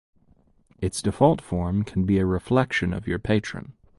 Its default form can be a reflection of your patron.